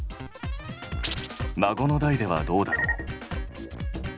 孫の代ではどうだろう？